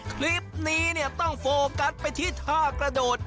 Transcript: คลิปนี้เนี่ยต้องโฟกัสไปที่ท่ากระโดด